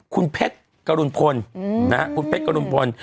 คุณเพชรกรุณพลคุณเพชรกรุณพล